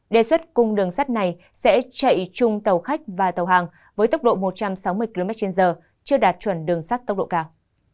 đề xuất cùng đường sắt này sẽ chạy chung tàu khách và tàu hàng với tốc độ một trăm sáu mươi kmh chưa đạt chuẩn đường sắt tốc độ cao